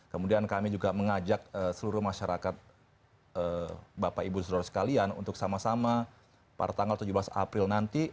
kemudian kami juga mengajak seluruh masyarakat bapak ibu saudara sekalian untuk sama sama pada tanggal tujuh belas april nanti